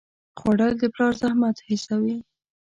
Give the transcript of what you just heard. خوړل د پلار زحمت حسوي